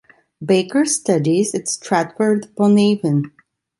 Baker studies at Stratford-upon-Avon.